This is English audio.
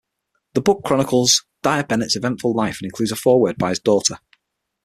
The book chronicles Dyer-Bennet's eventful life and includes a foreword by his daughter.